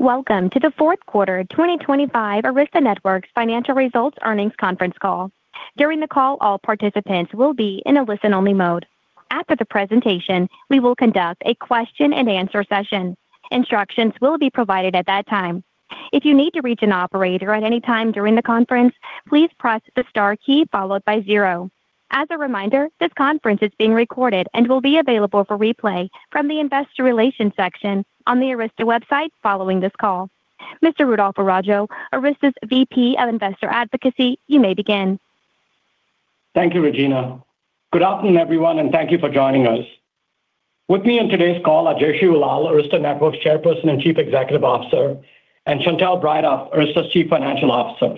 Welcome to the Fourth Quarter and 2025 Arista Networks Financial Results Earnings Conference Call. During the call, all participants will be in a listen-only mode. After the presentation, we will conduct a question-and-answer session. Instructions will be provided at that time. If you need to reach an operator at any time during the conference, please press the star key followed by zero. As a reminder, this conference is being recorded and will be available for replay from the investor relations section on the Arista website following this call. Mr. Rudolph Araujo, Arista's VP of Investor Advocacy, you may begin. Thank you, Regina. Good afternoon, everyone, and thank you for joining us. With me on today's call are Jayshree Ullal, Arista Networks Chairperson and Chief Executive Officer, and Chantelle Breithaupt, Arista's Chief Financial Officer.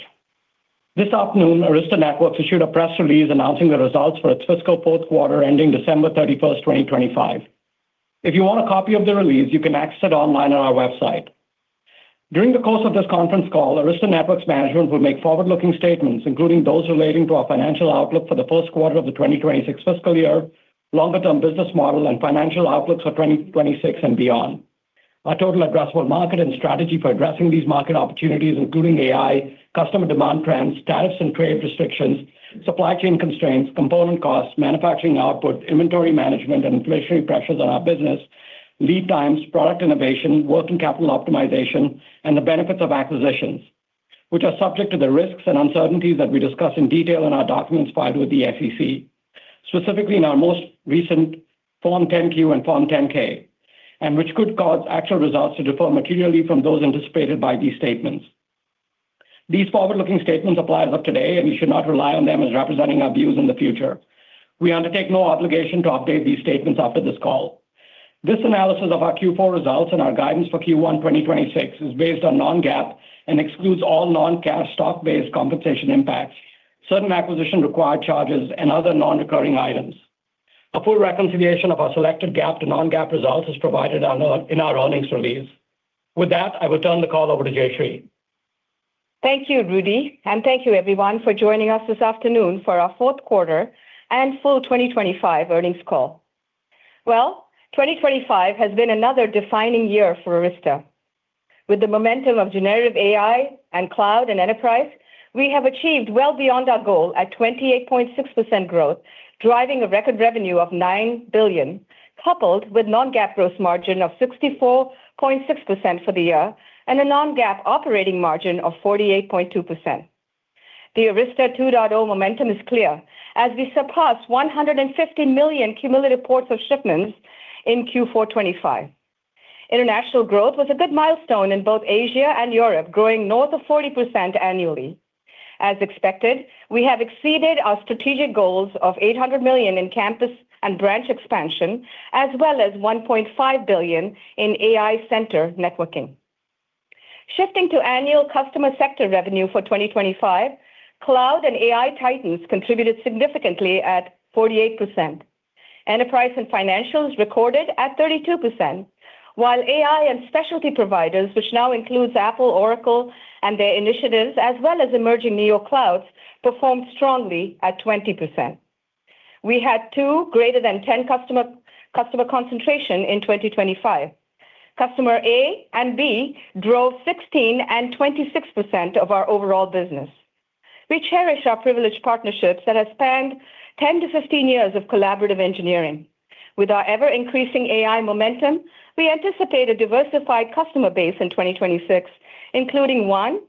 This afternoon, Arista Networks issued a press release announcing the results for its fiscal fourth quarter, ending December 31, 2025. If you want a copy of the release, you can access it online on our website. During the course of this conference call, Arista Networks management will make forward-looking statements, including those relating to our financial outlook for the first quarter of the 2026 fiscal year, longer-term business model and financial outlooks for 2026 and beyond. Our total addressable market and strategy for addressing these market opportunities, including AI, customer demand trends, tariffs and trade restrictions, supply chain constraints, component costs, manufacturing output, inventory management and inflationary pressures on our business, lead times, product innovation, working capital optimization, and the benefits of acquisitions, which are subject to the risks and uncertainties that we discuss in detail in our documents filed with the SEC, specifically in our most recent Form 10-Q and Form 10-K, and which could cause actual results to differ materially from those anticipated by these statements. These forward-looking statements apply as of today, and you should not rely on them as representing our views in the future. We undertake no obligation to update these statements after this call. This analysis of our Q4 results and our guidance for Q1 2026 is based on non-GAAP and excludes all non-cash stock-based compensation impacts, certain acquisition-required charges, and other non-recurring items. A full reconciliation of our selected GAAP to non-GAAP results is provided in our earnings release. With that, I will turn the call over to Jayshree. Thank you, Rudy, and thank you everyone for joining us this afternoon for our fourth quarter and full 2025 earnings call. Well, 2025 has been another defining year for Arista. With the momentum of generative AI and cloud and enterprise, we have achieved well beyond our goal at 28.6% growth, driving a record revenue of $9 billion, coupled with non-GAAP gross margin of 64.6% for the year and a non-GAAP operating margin of 48.2%. The Arista 2.0 momentum is clear as we surpassed 150 million cumulative ports of shipments in Q4 2025. International growth was a good milestone in both Asia and Europe, growing north of 40% annually. As expected, we have exceeded our strategic goals of $800 million in campus and branch expansion, as well as $1.5 billion in AI center networking. Shifting to annual customer sector revenue for 2025, cloud and AI titans contributed significantly at 48%. Enterprise and financials recorded at 32%, while AI and specialty providers, which now includes Apple, Oracle, and their initiatives, as well as emerging neo clouds, performed strongly at 20%. We had two greater than 10% customers, customer concentration in 2025. Customer A and B drove 16% and 26% of our overall business. We cherish our privileged partnerships that have spanned 10 to 15 years of collaborative engineering. With our ever-increasing AI momentum, we anticipate a diversified customer base in 2026, including one,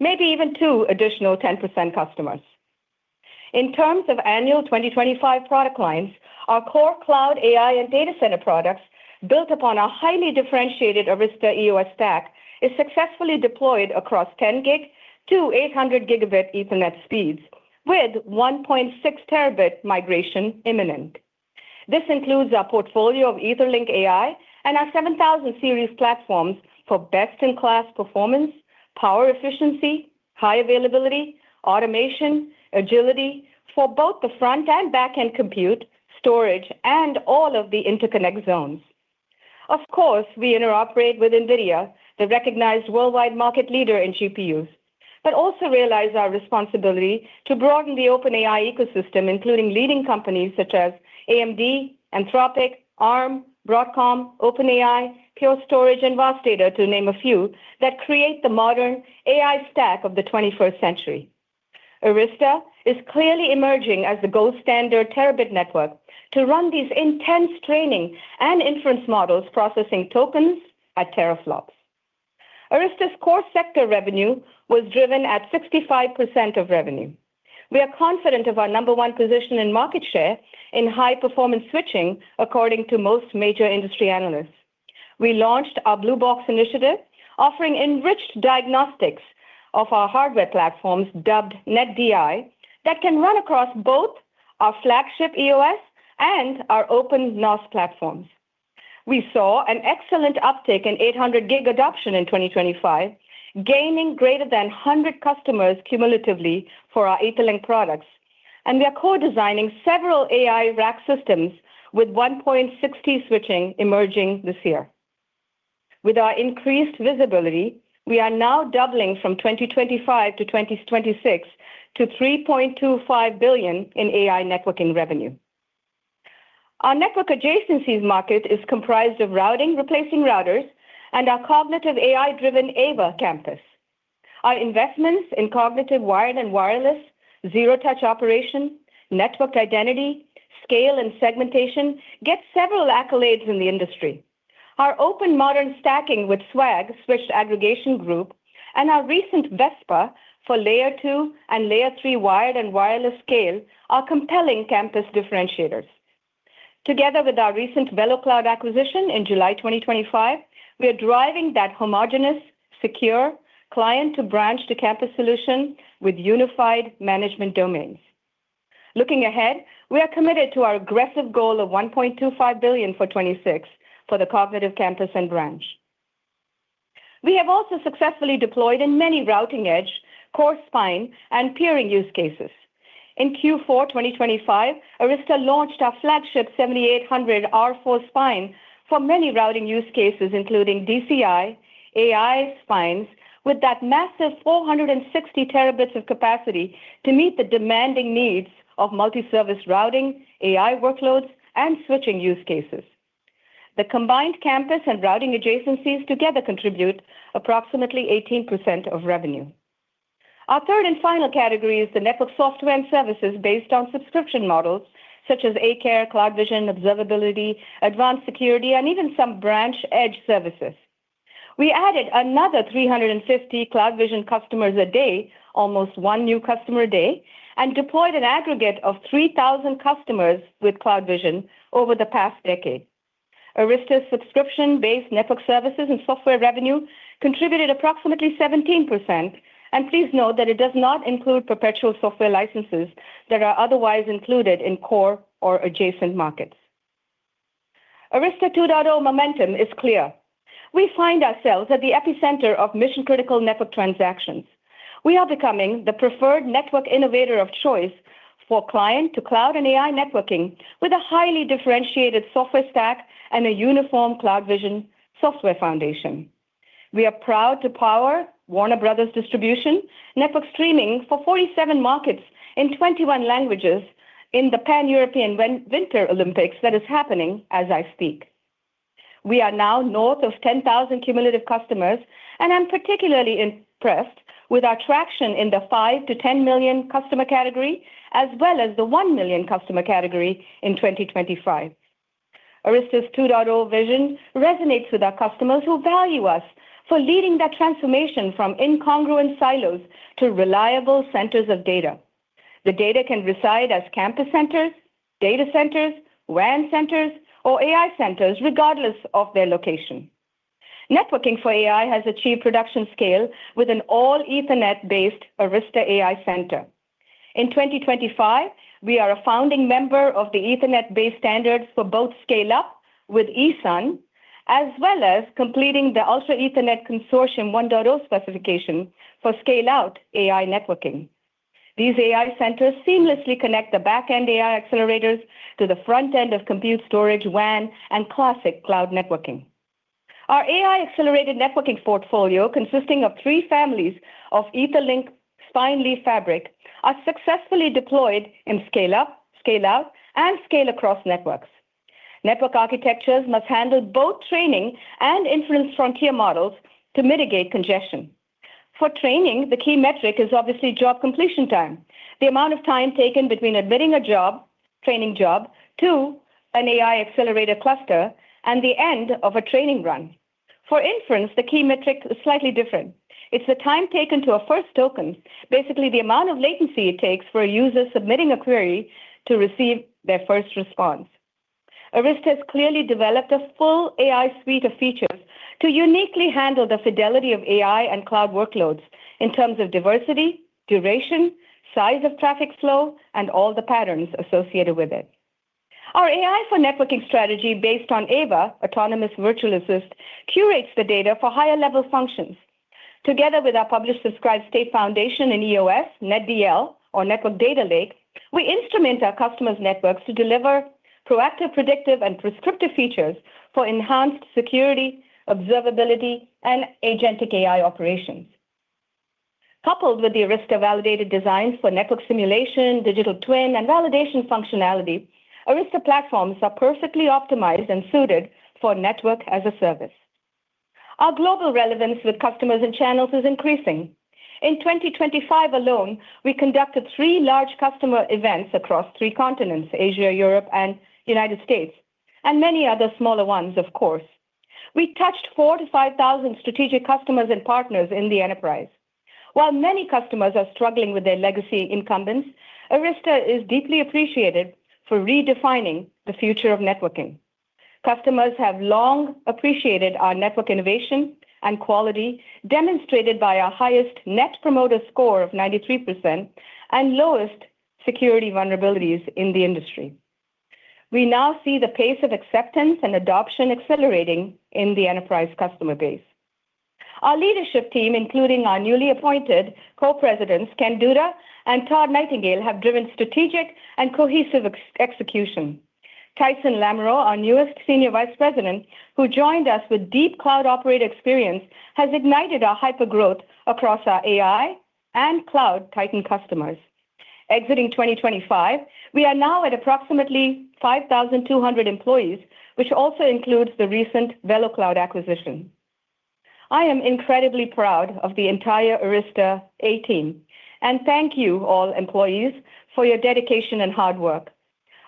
maybe even two additional 10% customers. In terms of annual 2025 product lines, our core cloud AI and data center products, built upon a highly differentiated Arista EOS stack, is successfully deployed across 10 gig to 800 Gigabit Ethernet speeds, with 1.6 Terabit migration imminent. This includes our portfolio of Etherlink AI and our 7000 series platforms for best-in-class performance, power efficiency, high availability, automation, agility for both the front and back-end compute, storage, and all of the interconnect zones. Of course, we interoperate with NVIDIA, the recognized worldwide market leader in GPUs, but also realize our responsibility to broaden the open AI ecosystem, including leading companies such as AMD, Anthropic, Arm, Broadcom, OpenAI, Pure Storage, and VAST Data, to name a few, that create the modern AI stack of the 21st century. Arista is clearly emerging as the gold standard terabit network to run these intense training and inference models, processing tokens at teraflops. Arista's core sector revenue was driven at 65% of revenue. We are confident of our number one position in market share in high-performance switching, according to most major industry analysts. We launched our Blue Box initiative, offering enriched diagnostics of our hardware platforms, dubbed Netdi, that can run across both our flagship EOS and our open NOS platforms. We saw an excellent uptick in 800 gig adoption in 2025, gaining greater than 100 customers cumulatively for our Etherlink products, and we are co-designing several AI rack systems with 1.6T switching emerging this year. With our increased visibility, we are now doubling from 2025 to 2026 to $3.25 billion in AI networking revenue. Our network adjacencies market is comprised of routing, replacing routers, and our cognitive AI-driven AVA Campus. Our investments in cognitive wired and wireless, zero-touch operation, network identity, scale and segmentation get several accolades in the industry. Our open modern stacking with SWAG, Switch Aggregation Group, and our recent VESPA for layer two and layer three wired and wireless scale are compelling campus differentiators. Together with our recent VeloCloud acquisition in July 2025, we are driving that homogeneous, secure client to branch to campus solution with unified management domains. Looking ahead, we are committed to our aggressive goal of $1.25 billion for 2026 for the cognitive campus and branch. We have also successfully deployed in many routing edge, core spine, and peering use cases. In Q4 2025, Arista launched our flagship 7800 R4 spine for many routing use cases, including DCI, AI spines, with that massive 460 terabits of capacity to meet the demanding needs of multi-service routing, AI workloads, and switching use cases. The combined campus and routing adjacencies together contribute approximately 18% of revenue. Our third and final category is the network software and services based on subscription models such as A-Care, CloudVision, Observability, Advanced Security, and even some branch edge services. We added another 350 CloudVision customers a day, almost 1 new customer a day, and deployed an aggregate of 3,000 customers with CloudVision over the past decade. Arista's subscription-based network services and software revenue contributed approximately 17%, and please note that it does not include perpetual software licenses that are otherwise included in core or adjacent markets. Arista 2.0 momentum is clear. We find ourselves at the epicenter of mission-critical network transactions. We are becoming the preferred network innovator of choice for client to cloud and AI networking, with a highly differentiated software stack and a uniform CloudVision software foundation. We are proud to power Warner Bros. distribution network streaming for 47 markets in 21 languages in the Pan-European Winter Olympics that is happening as I speak. We are now north of 10,000 cumulative customers, and I'm particularly impressed with our traction in the 5-10 million customer category, as well as the 1 million customer category in 2025. Arista's 2.0 vision resonates with our customers who value us for leading that transformation from incongruent silos to reliable centers of data. The data can reside as campus centers, data centers, WAN centers, or AI centers, regardless of their location. Networking for AI has achieved production scale with an all-Ethernet-based Arista AI Center. In 2025, we are a founding member of the Ethernet-based standards for both scale-up with ESUN, as well as completing the Ultra Ethernet Consortium 1.0 specification for scale-out AI networking. These AI centers seamlessly connect the back-end AI accelerators to the front end of compute storage, WAN, and classic cloud networking. Our AI-accelerated networking portfolio, consisting of three families of Etherlink spine leaf fabric, are successfully deployed in scale-up, scale-out, and scale-across networks. Network architectures must handle both training and inference frontier models to mitigate congestion. For training, the key metric is obviously job completion time, the amount of time taken between admitting a job, training job, to an AI accelerator cluster and the end of a training run. For inference, the key metric is slightly different. It's the time taken to a first token, basically the amount of latency it takes for a user submitting a query to receive their first response. Arista has clearly developed a full AI suite of features to uniquely handle the fidelity of AI and cloud workloads in terms of diversity, duration, size of traffic flow, and all the patterns associated with it. Our AI for networking strategy, based on AVA, Autonomous Virtual Assist, curates the data for higher-level functions. Together with our publish-subscribe state foundation in EOS, NetDL or Network Data Lake, we instrument our customers' networks to deliver proactive, predictive, and prescriptive features for enhanced security, observability, and Agentic AI operations. Coupled with the Arista validated designs for network simulation, digital twin, and validation functionality, Arista platforms are perfectly optimized and suited for network as a service. Our global relevance with customers and channels is increasing. In 2025 alone, we conducted 3 large customer events across 3 continents: Asia, Europe, and United States, and many other smaller ones, of course. We touched 4,000-5,000 strategic customers and partners in the enterprise. While many customers are struggling with their legacy incumbents, Arista is deeply appreciated for redefining the future of networking. Customers have long appreciated our network innovation and quality, demonstrated by our highest Net Promoter Score of 93% and lowest security vulnerabilities in the industry. We now see the pace of acceptance and adoption accelerating in the enterprise customer base. Our leadership team, including our newly appointed co-presidents, Ken Duda and Todd Nightingale, have driven strategic and cohesive execution. Tyson Lamoreaux, our newest senior vice president, who joined us with deep cloud operations experience, has ignited our hypergrowth across our AI and cloud Titan customers. Exiting 2025, we are now at approximately 5,200 employees, which also includes the recent VeloCloud acquisition. I am incredibly proud of the entire Arista A Team, and thank you all employees for your dedication and hard work.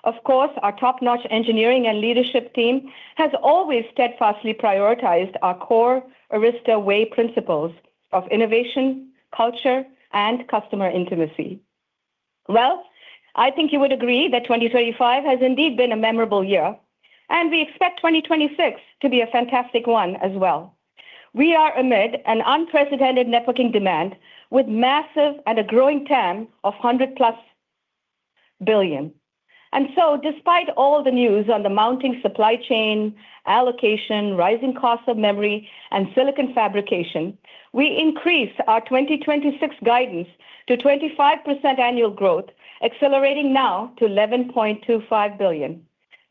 Of course, our top-notch engineering and leadership team has always steadfastly prioritized our core Arista way principles of innovation, culture, and customer intimacy. Well, I think you would agree that 2025 has indeed been a memorable year, and we expect 2026 to be a fantastic one as well. We are amid an unprecedented networking demand with massive and a growing TAM of $100+ billion. And so despite all the news on the mounting supply chain allocation, rising costs of memory and silicon fabrication, we increase our 2026 guidance to 25% annual growth, accelerating now to $11.25 billion.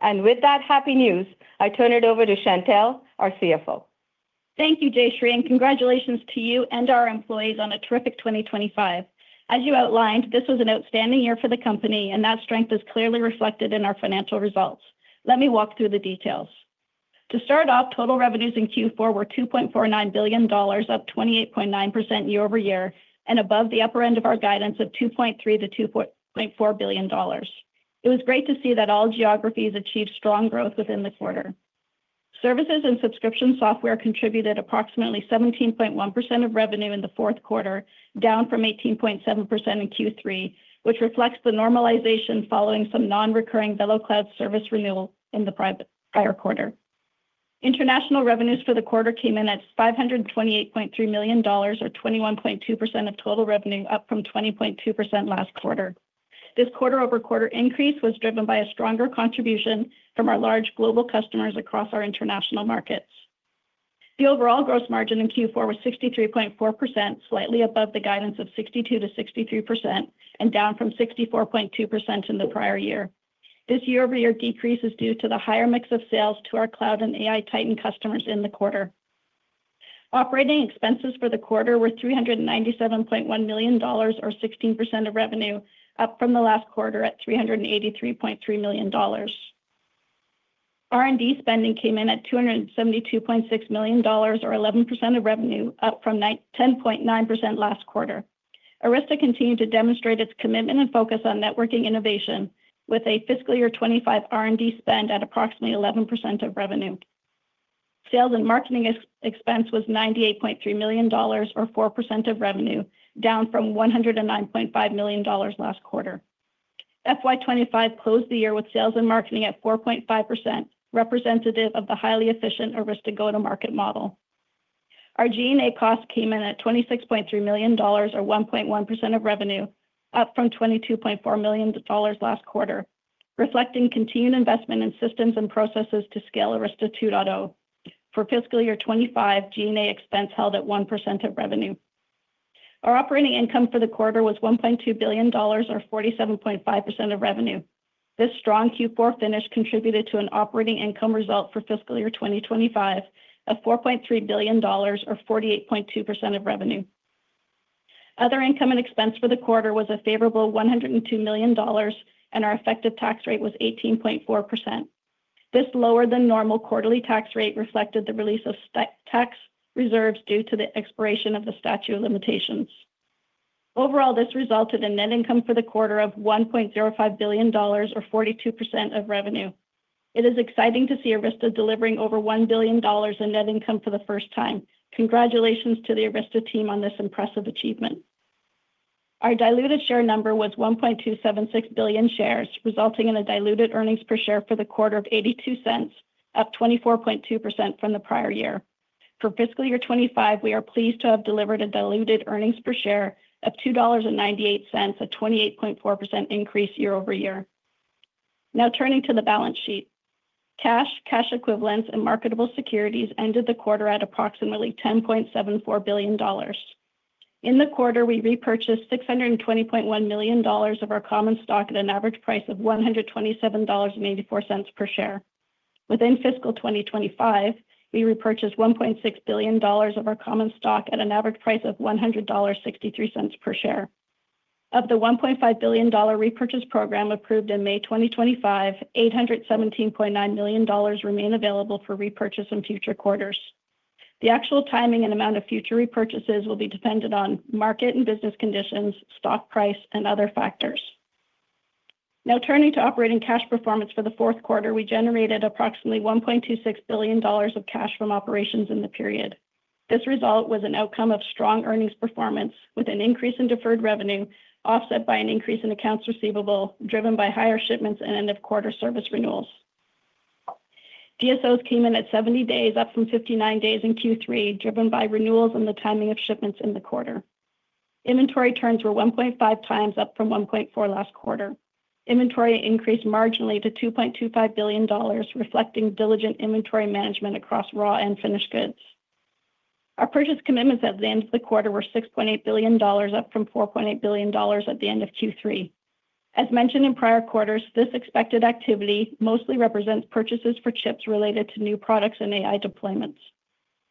With that happy news, I turn it over to Chantelle, our CFO. Thank you, Jayshree, and congratulations to you and our employees on a terrific 2025. As you outlined, this was an outstanding year for the company, and that strength is clearly reflected in our financial results. Let me walk through the details. To start off, total revenues in Q4 were $2.49 billion, up 28.9% year-over-year, and above the upper end of our guidance of $2.3 billion-$2.4 billion. It was great to see that all geographies achieved strong growth within the quarter. Services and subscription software contributed approximately 17.1% of revenue in the fourth quarter, down from 18.7% in Q3, which reflects the normalization following some non-recurring VeloCloud service renewal in the prior quarter. International revenues for the quarter came in at $528.3 million, or 21.2% of total revenue, up from 20.2% last quarter. This quarter-over-quarter increase was driven by a stronger contribution from our large global customers across our international markets. The overall gross margin in Q4 was 63.4%, slightly above the guidance of 62%-63% and down from 64.2% in the prior year. This year-over-year decrease is due to the higher mix of sales to our cloud and AI Titan customers in the quarter. Operating expenses for the quarter were $397.1 million, or 16% of revenue, up from the last quarter at $383.3 million. R&D spending came in at $272.6 million, or 11% of revenue, up from 10.9% last quarter. Arista continued to demonstrate its commitment and focus on networking innovation with a fiscal year 2025 R&D spend at approximately 11% of revenue. Sales and marketing expense was $98.3 million, or 4% of revenue, down from $109.5 million last quarter. FY 2025 closed the year with sales and marketing at 4.5%, representative of the highly efficient Arista go-to-market model. Our G&A costs came in at $26.3 million, or 1.1% of revenue, up from $22.4 million last quarter, reflecting continued investment in systems and processes to scale Arista 2.0. For fiscal year 2025, G&A expense held at 1% of revenue. Our operating income for the quarter was $1.2 billion, or 47.5% of revenue. This strong Q4 finish contributed to an operating income result for fiscal year 2025 of $4.3 billion or 48.2% of revenue. Other income and expense for the quarter was a favorable $102 million, and our effective tax rate was 18.4%. This lower than normal quarterly tax rate reflected the release of statutory tax reserves due to the expiration of the statute of limitations. Overall, this resulted in net income for the quarter of $1.05 billion or 42% of revenue. It is exciting to see Arista delivering over $1 billion in net income for the first time. Congratulations to the Arista team on this impressive achievement. Our diluted share number was 1.276 billion shares, resulting in a diluted earnings per share for the quarter of $0.82, up 24.2% from the prior year. For fiscal year 2025, we are pleased to have delivered a diluted earnings per share of $2.98, a 28.4% increase year-over-year. Now, turning to the balance sheet. Cash, cash equivalents, and marketable securities ended the quarter at approximately $10.74 billion. In the quarter, we repurchased $620.1 million of our common stock at an average price of $127.84 per share. Within fiscal 2025, we repurchased $1.6 billion of our common stock at an average price of $100.63 per share. Of the $1.5 billion repurchase program approved in May 2025, $817.9 million remain available for repurchase in future quarters. The actual timing and amount of future repurchases will be dependent on market and business conditions, stock price, and other factors. Now, turning to operating cash performance for the fourth quarter, we generated approximately $1.26 billion of cash from operations in the period. This result was an outcome of strong earnings performance, with an increase in deferred revenue, offset by an increase in accounts receivable, driven by higher shipments and end-of-quarter service renewals. DSOs came in at 70 days, up from 59 days in Q3, driven by renewals and the timing of shipments in the quarter. Inventory turns were 1.5 times up from 1.4 last quarter. Inventory increased marginally to $2.25 billion, reflecting diligent inventory management across raw and finished goods. Our purchase commitments at the end of the quarter were $6.8 billion, up from $4.8 billion at the end of Q3. As mentioned in prior quarters, this expected activity mostly represents purchases for chips related to new products and AI deployments.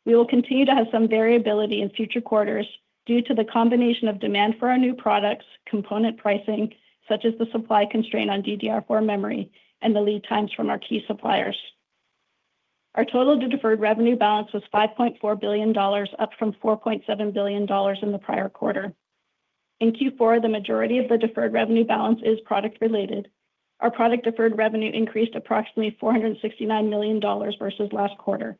We will continue to have some variability in future quarters due to the combination of demand for our new products, component pricing, such as the supply constraint on DDR4 memory, and the lead times from our key suppliers. Our total deferred revenue balance was $5.4 billion, up from $4.7 billion in the prior quarter. In Q4, the majority of the deferred revenue balance is product related. Our product deferred revenue increased approximately $469 million versus last quarter.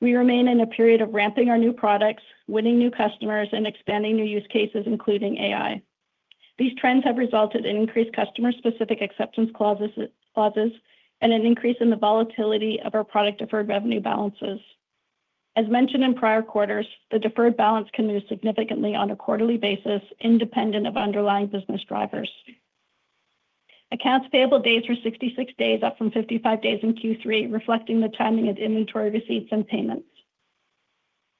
We remain in a period of ramping our new products, winning new customers, and expanding new use cases, including AI. These trends have resulted in increased customer-specific acceptance clauses, and an increase in the volatility of our product deferred revenue balances. As mentioned in prior quarters, the deferred balance can move significantly on a quarterly basis, independent of underlying business drivers. Accounts payable days were 66 days, up from 55 days in Q3, reflecting the timing of inventory receipts and payments.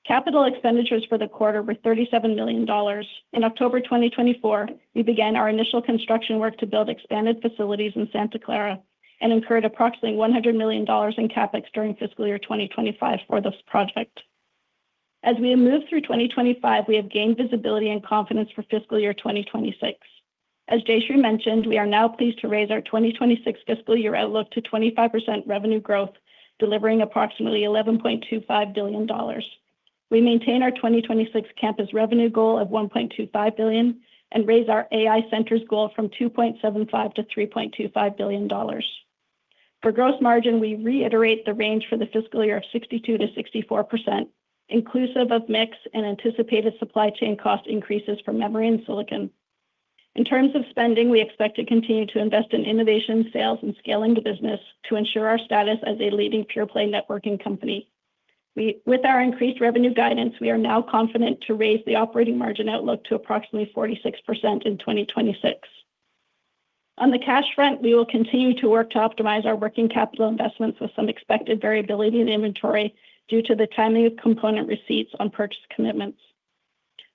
Capital expenditures for the quarter were $37 million. In October 2024, we began our initial construction work to build expanded facilities in Santa Clara and incurred approximately $1 million in CapEx during fiscal year 2025 for this project. As we have moved through 2025, we have gained visibility and confidence for fiscal year 2026. As Jayshree mentioned, we are now pleased to raise our 2026 fiscal year outlook to 25% revenue growth, delivering approximately $11.25 billion. We maintain our 2026 campus revenue goal of $1.25 billion and raise our AI centers goal from $2.75 billion to $3.25 billion. For gross margin, we reiterate the range for the fiscal year of 62%-64%, inclusive of mix and anticipated supply chain cost increases for memory and silicon. In terms of spending, we expect to continue to invest in innovation, sales, and scaling the business to ensure our status as a leading pure-play networking company. With our increased revenue guidance, we are now confident to raise the operating margin outlook to approximately 46% in 2026. On the cash front, we will continue to work to optimize our working capital investments with some expected variability in inventory due to the timing of component receipts on purchase commitments.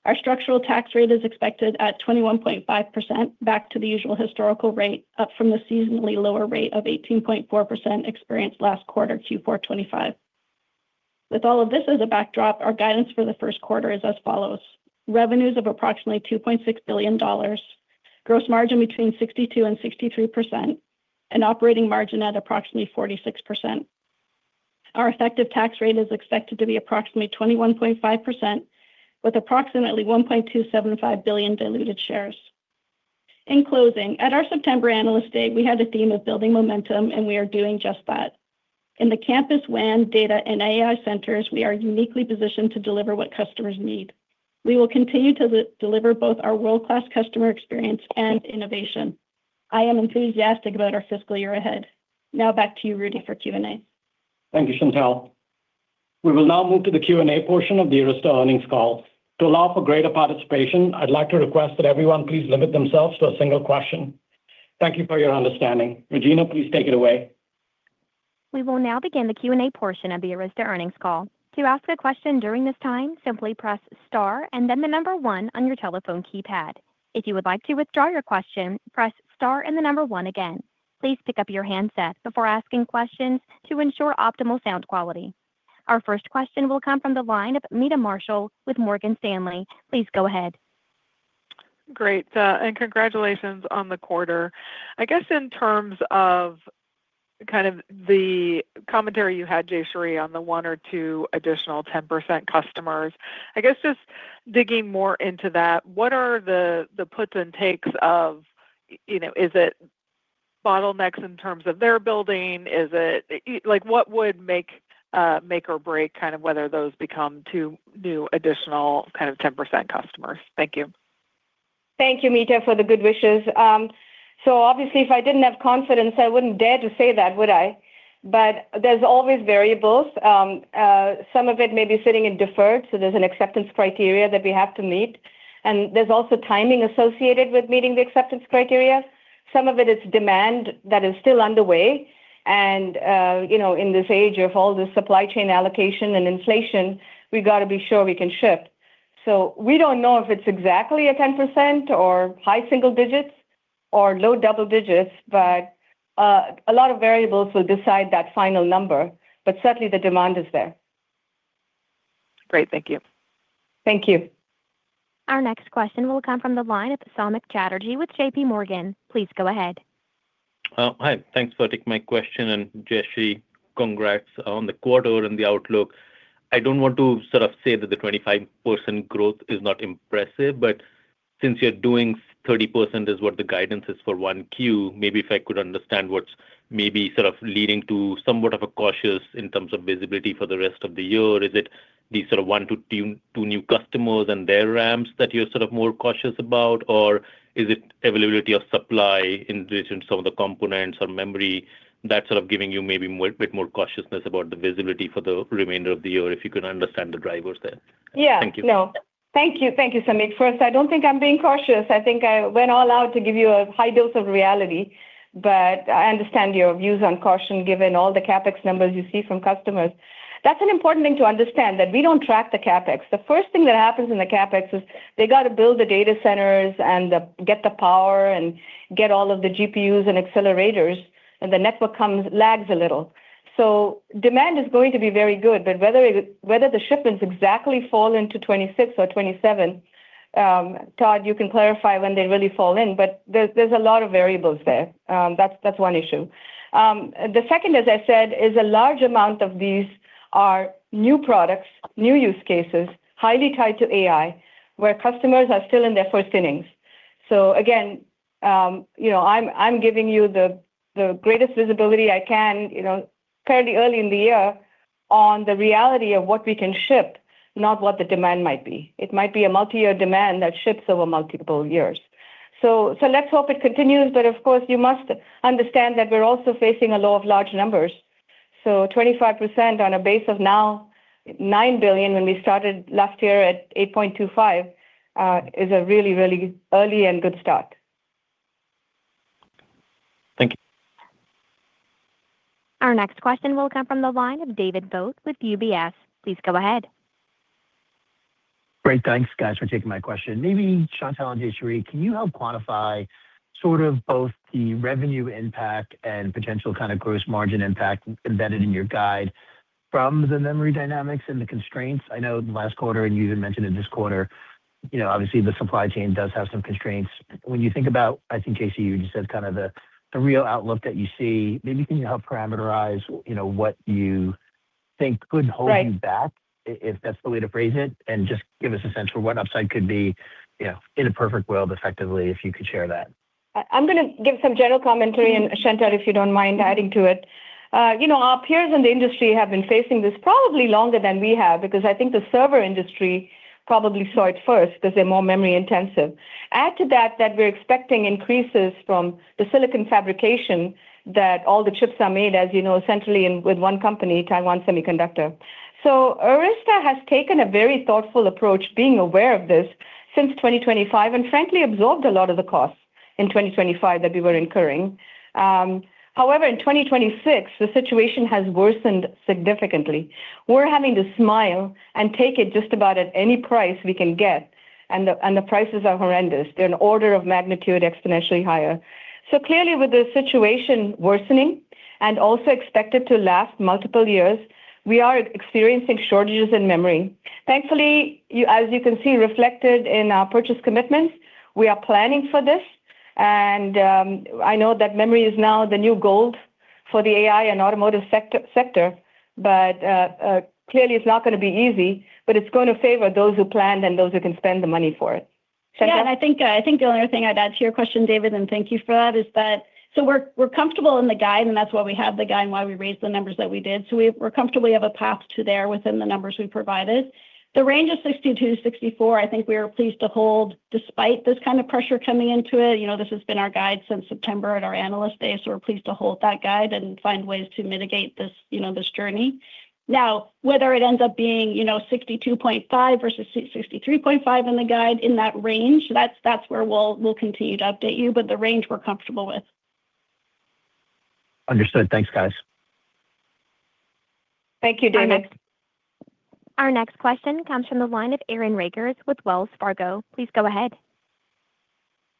Our structural tax rate is expected at 21.5%, back to the usual historical rate, up from the seasonally lower rate of 18.4% experienced last quarter, Q4 2025. With all of this as a backdrop, our guidance for the first quarter is as follows: revenues of approximately $2.6 billion, gross margin between 62%-63%, and operating margin at approximately 46%. Our effective tax rate is expected to be approximately 21.5%, with approximately 1.275 billion diluted shares. In closing, at our September Analyst Day, we had a theme of building momentum, and we are doing just that. In the campus WAN, data, and AI centers, we are uniquely positioned to deliver what customers need. We will continue to deliver both our world-class customer experience and innovation. I am enthusiastic about our fiscal year ahead. Now back to you, Rudy, for Q&A. Thank you, Chantelle. We will now move to the Q&A portion of the Arista earnings call. To allow for greater participation, I'd like to request that everyone please limit themselves to a single question. Thank you for your understanding. Regina, please take it away. We will now begin the Q&A portion of the Arista earnings call. To ask a question during this time, simply press star and then the number one on your telephone keypad. If you would like to withdraw your question, press star and the number one again. Please pick up your handset before asking questions to ensure optimal sound quality. Our first question will come from the line of Meta Marshall with Morgan Stanley. Please go ahead. Great, and congratulations on the quarter. I guess in terms of kind of the commentary you had, Jayshree, on the one or two additional 10% customers, I guess just digging more into that, what are the, the puts and takes of, you know, is it bottlenecks in terms of their building? Is it... Like, what would make or break kind of whether those become two new additional kind of 10% customers? Thank you. Thank you, Meta, for the good wishes. So obviously, if I didn't have confidence, I wouldn't dare to say that, would I? But there's always variables. Some of it may be sitting in deferred, so there's an acceptance criteria that we have to meet, and there's also timing associated with meeting the acceptance criteria. Some of it is demand that is still underway, and, you know, in this age of all the supply chain allocation and inflation, we've got to be sure we can ship. So we don't know if it's exactly 10% or high single digits or low double digits, but, a lot of variables will decide that final number, but certainly the demand is there. Great. Thank you. Thank you. Our next question will come from the line of Samik Chatterjee with JP Morgan. Please go ahead. Hi. Thanks for taking my question, and Jayshree, congrats on the quarter and the outlook. I don't want to sort of say that the 25% growth is not impressive, but since you're doing 30% is what the guidance is for 1Q, maybe if I could understand what's maybe sort of leading to somewhat of a cautious in terms of visibility for the rest of the year. Is it these sort of 1-2, 2 new customers and their ramps that you're sort of more cautious about? Or is it availability of supply in relation to some of the components or memory that's sort of giving you maybe more, bit more cautiousness about the visibility for the remainder of the year, if you could understand the drivers there? Yeah. Thank you. No. Thank you. Thank you, Samik. First, I don't think I'm being cautious. I think I went all out to give you a high dose of reality, but I understand your views on caution, given all the CapEx numbers you see from customers. That's an important thing to understand, that we don't track the CapEx. The first thing that happens in the CapEx is they got to build the data centers and the, get the power and get all of the GPUs and accelerators, and the network comes, lags a little. So demand is going to be very good, but whether it, whether the shipments exactly fall into 2026 or 2027, Todd, you can clarify when they really fall in, but there's, there's a lot of variables there. That's, that's one issue. The second, as I said, is a large amount of these are new products, new use cases, highly tied to AI, where customers are still in their first innings. So again, you know, I'm giving you the greatest visibility I can, you know, fairly early in the year on the reality of what we can ship, not what the demand might be. It might be a multi-year demand that ships over multiple years. So let's hope it continues, but of course, you must understand that we're also facing a law of large numbers. So 25% on a base of now $9 billion, when we started last year at $8.25, is a really, really early and good start. Thank you. Our next question will come from the line of David Vogt with UBS. Please go ahead. Great. Thanks, guys, for taking my question. Maybe Chantelle and Jayshree, can you help quantify sort of both the revenue impact and potential kind of gross margin impact embedded in your guide from the memory dynamics and the constraints? I know last quarter, and you even mentioned in this quarter, you know, obviously, the supply chain does have some constraints. When you think about, I think, Jayshree, you just said kind of the, the real outlook that you see, maybe can you help parameterize, you know, what you think could hold you back- Right. If that's the way to phrase it, and just give us a sense for what upside could be, you know, in a perfect world, effectively, if you could share that. I'm going to give some general commentary, and Chantelle, if you don't mind adding to it. You know, our peers in the industry have been facing this probably longer than we have, because I think the server industry probably saw it first, because they're more memory intensive. Add to that, that we're expecting increases from the silicon fabrication, that all the chips are made, as you know, centrally in with one company, Taiwan Semiconductor. So Arista has taken a very thoughtful approach, being aware of this since 2025, and frankly, absorbed a lot of the costs in 2025 that we were incurring. However, in 2026, the situation has worsened significantly. We're having to smile and take it just about at any price we can get, and the prices are horrendous. They're an order of magnitude exponentially higher. So clearly, with the situation worsening and also expected to last multiple years, we are experiencing shortages in memory. Thankfully, you, as you can see, reflected in our purchase commitments, we are planning for this. And I know that memory is now the new gold for the AI and automotive sector, but clearly, it's not going to be easy, but it's going to favor those who planned and those who can spend the money for it. Chantelle? Yeah, I think, I think the only thing I'd add to your question, David, and thank you for that, is that so we're, we're comfortable in the guide, and that's why we have the guide and why we raised the numbers that we did. So we're comfortable we have a path to there within the numbers we provided. The range of $62-$64, I think we are pleased to hold despite this kind of pressure coming into it. You know, this has been our guide since September at our Analyst Day, so we're pleased to hold that guide and find ways to mitigate this, you know, this journey. Now, whether it ends up being, you know, $62.5 versus $63.5 in the guide in that range, that's, that's where we'll, we'll continue to update you, but the range we're comfortable with. Understood. Thanks, guys. Thank you, David. Our next question comes from the line of Aaron Rakers with Wells Fargo. Please go ahead.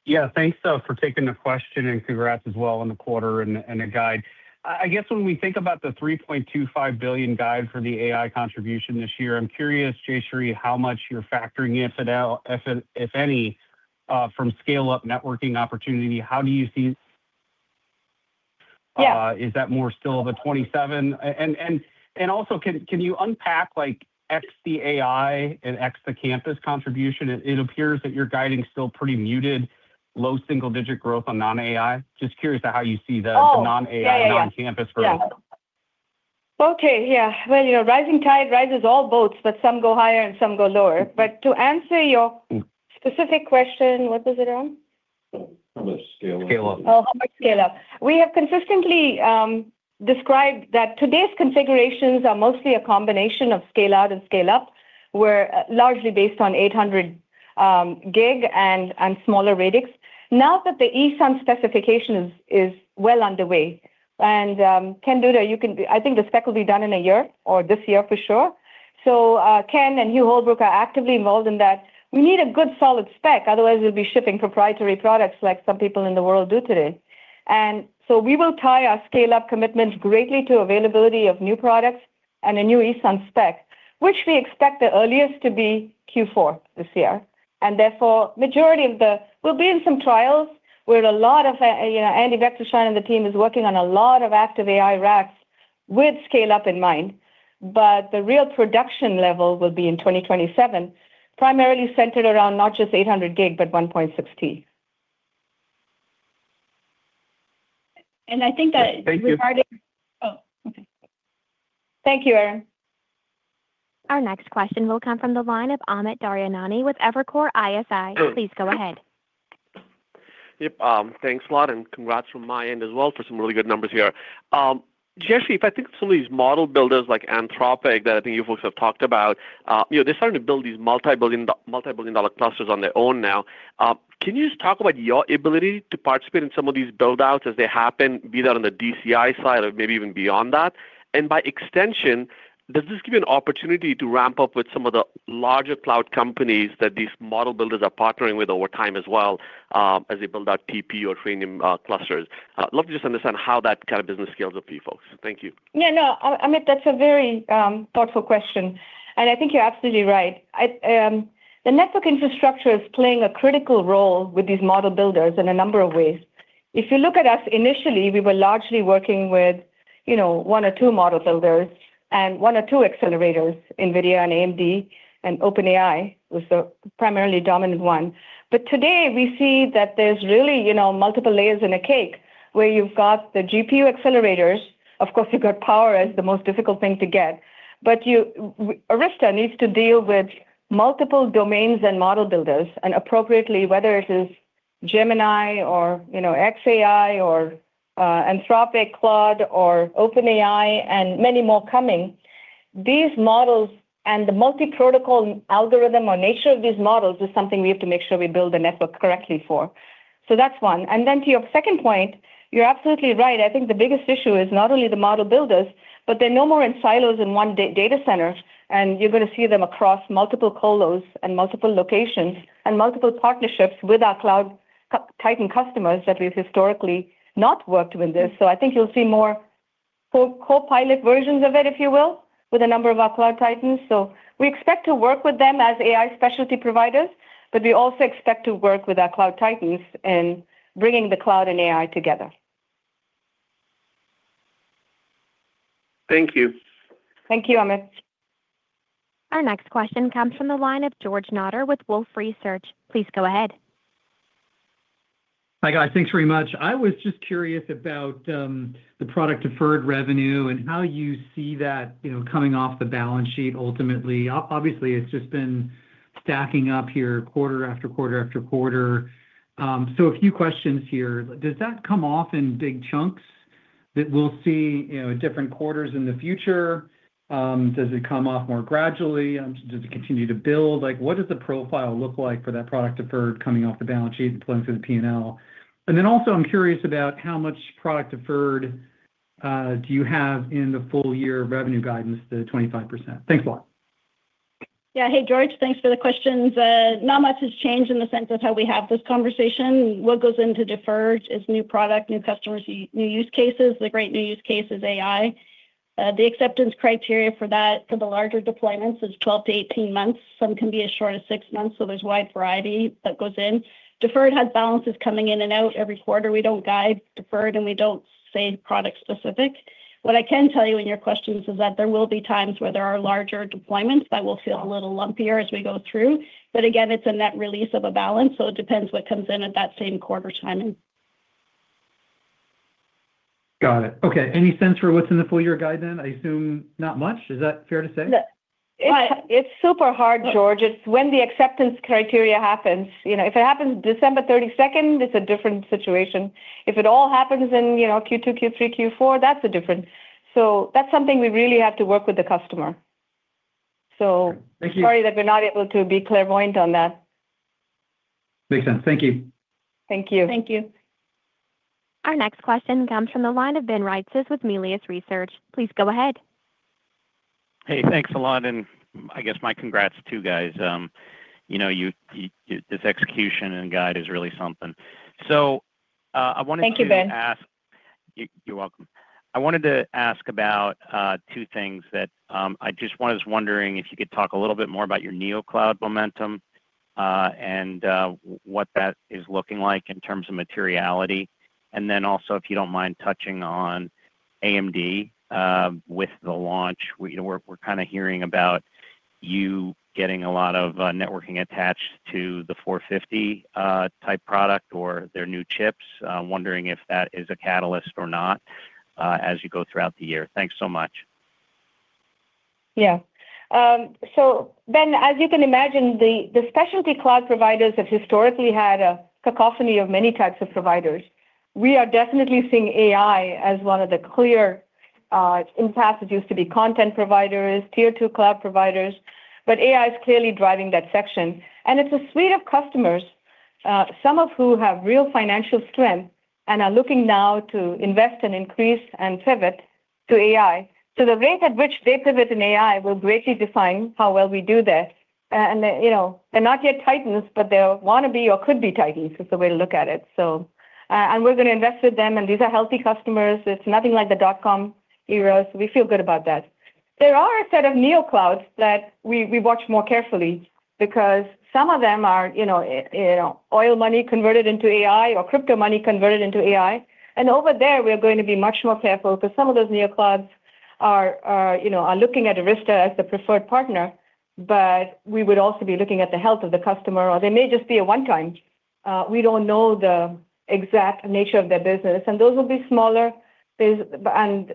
Yeah, thanks, though, for taking the question, and congrats as well on the quarter and the guide. I guess when we think about the $3.25 billion guide for the AI contribution this year, I'm curious, Jayshree, how much you're factoring, if at all, if any, from scale-up networking opportunity, how do you see? Yeah. Is that more still of a 27? And also, can you unpack like ex the AI and ex the campus contribution? It appears that you're guiding still pretty muted, low single digit growth on non-AI. Just curious to how you see the- Oh! the non-AI, non-campus growth. Yeah. Okay. Yeah. Well, you know, rising tide rises all boats, but some go higher and some go lower. But to answer your specific question, what was it, Aaron? How much scale up? Scale up. Oh, how about scale up? We have consistently described that today's configurations are mostly a combination of scale-out and scale-up. We're largely based on 800 gig and smaller radix. Now that the ESUN specification is well underway, and Ken Duda, you can, I think the spec will be done in a year or this year for sure. So, Ken and Hugh Holbrook are actively involved in that. We need a good solid spec, otherwise we'll be shipping proprietary products like some people in the world do today. And so we will tie our scale-up commitment greatly to availability of new products and a new ESUN spec, which we expect the earliest to be Q4 this year. Therefore, majority of the we'll be in some trials where a lot of, you know, Andy Bechtolsheim and the team is working on a lot of active AI racks with scale-up in mind, but the real production level will be in 2027, primarily centered around not just 800 gig, but 1.6 T. And I think that- Thank you. Oh, okay. Thank you, Aaron. Our next question will come from the line of Amit Daryanani with Evercore ISI. Please go ahead. Yep, thanks a lot, and congrats from my end as well for some really good numbers here. Jayshree, if I think of some of these model builders like Anthropic, that I think you folks have talked about, you know, they're starting to build these multi-billion, multi-billion dollar clusters on their own now. Can you just talk about your ability to participate in some of these build-outs as they happen, be that on the DCI side or maybe even beyond that? And by extension, does this give you an opportunity to ramp up with some of the larger cloud companies that these model builders are partnering with over time as well, as they build out TP or training clusters? I'd love to just understand how that kind of business scales with you folks. Thank you. Yeah, no, Amit, that's a very, thoughtful question, and I think you're absolutely right. I, the network infrastructure is playing a critical role with these model builders in a number of ways. If you look at us, initially, we were largely working with, you know, one or two model builders and one or two accelerators, NVIDIA and AMD and OpenAI was the primarily dominant one. But today, we see that there's really, you know, multiple layers in a cake where you've got the GPU accelerators. Of course, you've got power as the most difficult thing to get, but Arista needs to deal with multiple domains and model builders, and appropriately, whether it is Gemini or, you know, xAI or Claude or OpenAI, and many more coming, these models and the multi-protocol algorithm or nature of these models is something we have to make sure we build the network correctly for. So that's one. And then to your second point, you're absolutely right. I think the biggest issue is not only the model builders, but they're no more in silos in one data center, and you're going to see them across multiple colos and multiple locations and multiple partnerships with our cloud titan customers that we've historically not worked with this. So I think you'll see more co-pilot versions of it, if you will, with a number of our cloud titans. So we expect to work with them as AI specialty providers, but we also expect to work with our cloud titans in bringing the cloud and AI together. Thank you. Thank you, Amit. Our next question comes from the line of George Notter with Wolfe Research. Please go ahead. Hi, guys. Thanks very much. I was just curious about the product deferred revenue and how you see that, you know, coming off the balance sheet ultimately. Obviously, it's just been stacking up here quarter after quarter after quarter. So a few questions here: Does that come off in big chunks that we'll see, you know, in different quarters in the future? Does it come off more gradually? Does it continue to build? Like, what does the profile look like for that product deferred coming off the balance sheet and flowing through the P&L? And then also, I'm curious about how much product deferred do you have in the full year revenue guidance, the 25%? Thanks a lot. Yeah. Hey, George. Thanks for the questions. Not much has changed in the sense of how we have this conversation. What goes into deferred is new product, new customers, new use cases. The great new use case is AI. The acceptance criteria for that, for the larger deployments, is 12-18 months. Some can be as short as 6 months, so there's a wide variety that goes in. Deferred has balances coming in and out every quarter. We don't guide deferred, and we don't say product specific. What I can tell you in your questions is that there will be times where there are larger deployments that will feel a little lumpier as we go through. But again, it's a net release of a balance, so it depends what comes in at that same quarter timing. Got it. Okay. Any sense for what's in the full year guide, then? I assume not much. Is that fair to say? Yeah. It's super hard, George. It's when the acceptance criteria happens. You know, if it happens December 32nd, it's a different situation. If it all happens in, you know, Q2, Q3, Q4, that's the difference. So that's something we really have to work with the customer. So- Thank you. Sorry that we're not able to be clairvoyant on that. Makes sense. Thank you. Thank you. Thank you. Our next question comes from the line of Ben Reitzes with Melius Research. Please go ahead. Hey, thanks a lot, and I guess my congrats to you guys. You know, this execution and guide is really something. So, I wanted to- Thank you, Ben. You're welcome. I wanted to ask about two things that I just was wondering if you could talk a little bit more about your Neocloud momentum, and what that is looking like in terms of materiality. And then also, if you don't mind touching on AMD, with the launch. We're kind of hearing about you getting a lot of networking attached to the 450 type product or their new chips. I'm wondering if that is a catalyst or not, as you go throughout the year. Thanks so much. Yeah. So Ben, as you can imagine, the specialty cloud providers have historically had a cacophony of many types of providers. We are definitely seeing AI as one of the clear impacts. It used to be content providers, tier two cloud providers, but AI is clearly driving that section. And it's a suite of customers, some of who have real financial strength and are looking now to invest and increase and pivot to AI. So the rate at which they pivot in AI will greatly define how well we do this. And, you know, they're not yet titans, but they want to be or could be titans, is the way to look at it, so... And we're going to invest with them, and these are healthy customers. It's nothing like the dotcom era, so we feel good about that. There are a set of neo clouds that we watch more carefully because some of them are, you know, oil money converted into AI or crypto money converted into AI. And over there, we are going to be much more careful because some of those neo clouds are, you know, looking at Arista as the preferred partner, but we would also be looking at the health of the customer, or they may just be a one-time. We don't know the exact nature of their business, and those will be smaller biz and